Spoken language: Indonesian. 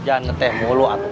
jangan ngeteh mulu ato